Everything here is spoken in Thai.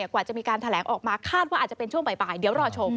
กว่าจะมีการแถลงออกมาคาดว่าอาจจะเป็นช่วงบ่ายเดี๋ยวรอชม